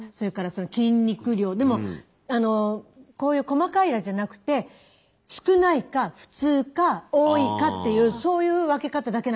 でもこういう細かいあれじゃなくて少ないか普通か多いかっていうそういう分け方だけなんですよ出るのが。